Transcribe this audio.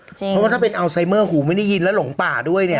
เพราะว่าถ้าเป็นอัลไซเมอร์หูไม่ได้ยินแล้วหลงป่าด้วยเนี่ย